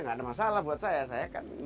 nggak ada masalah buat saya saya kan